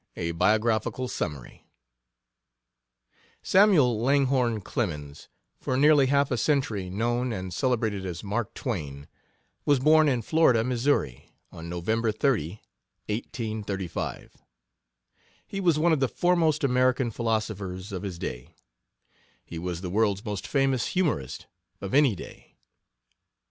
] MARK TWAIN A BIOGRAPHICAL SUMMARY SAMUEL LANGHORNE CLEMENS, for nearly half a century known and celebrated as "Mark Twain," was born in Florida, Missouri, on November 30, 1835. He was one of the foremost American philosophers of his day; he was the world's most famous humorist of any day.